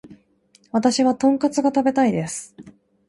私はトンカツが食べたいです